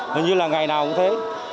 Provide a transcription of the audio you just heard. hình như là ngày nào cũng thế